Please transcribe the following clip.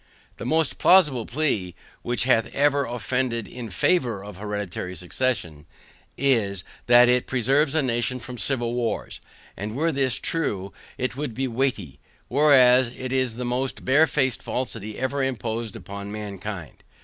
The most plausible plea, which hath ever been offered in favour of hereditary succession, is, that it preserves a nation from civil wars; and were this true, it would be weighty; whereas, it is the most barefaced falsity ever imposed upon mankind.